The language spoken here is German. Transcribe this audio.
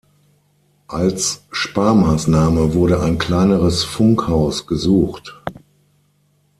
Als Sparmaßnahme wurde ein kleineres Funkhaus gesucht.